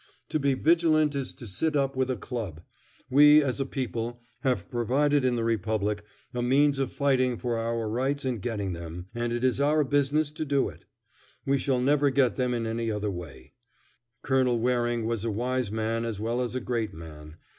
To be vigilant is to sit up with a club. We, as a people, have provided in the republic a means of fighting for our rights and getting them, and it is our business to do it. We shall never get them in any other way. Colonel Waring was a wise man as well as a great man.